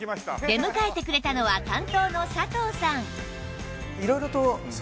出迎えてくれたのは担当の佐藤さん